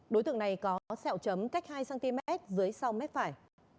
đối tượng này có sẹo chấm cách hai cm dưới sau mép phải